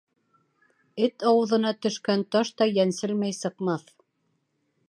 Эт ауыҙына төшкән таш та йәнселмәй сыҡмаҫ.